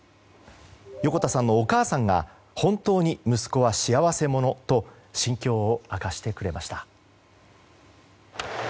横田さんのお母さんが本当に息子は幸せ者と心境を明かしてくれました。